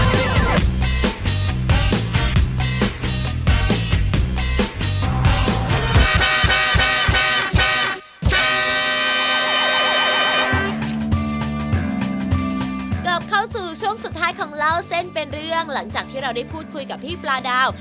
กลับเข้าสู่ช่วงสุดท้ายของเล่าเส้นเป็นเรื่องหลังจากที่เราได้พูดคุยกับพี่ปลาดาว